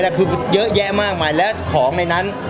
ทีนั้นคือเยอะแยะมากหมายถึงของในนั้น